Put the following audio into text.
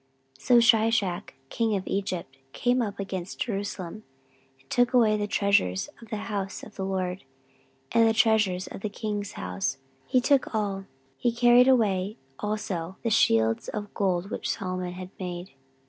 14:012:009 So Shishak king of Egypt came up against Jerusalem, and took away the treasures of the house of the LORD, and the treasures of the king's house; he took all: he carried away also the shields of gold which Solomon had made.